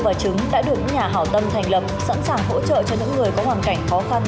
và chứng đã được những nhà hảo tâm thành lập sẵn sàng hỗ trợ cho những người có hoàn cảnh khó khăn